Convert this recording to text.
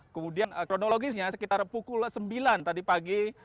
kemudian kronologisnya sekitar pukul sembilan tadi pagi